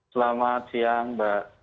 selamat siang mbak